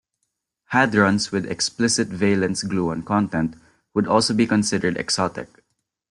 Hadrons with explicit valence gluon content would also be considered exotic.